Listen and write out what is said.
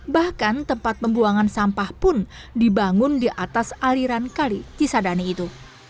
bahkan tempat pembuangan sampah pun dibangun di atas aliran kali cisadani itu